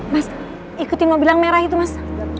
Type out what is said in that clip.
mas ikutin mobil yang merah itu mas